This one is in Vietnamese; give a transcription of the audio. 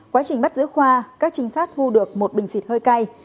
quá trình bắt giữ khoa các trinh sát thu được một bình xịt hơi cay